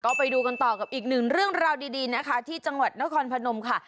ก็ไปดูกันต่อกับอีกหนึ่งเรื่องราวดีนะคะที่จังหวัดนครพนมค่ะ